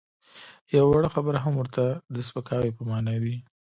یوه وړه خبره هم ورته د سپکاوي په مانا وي.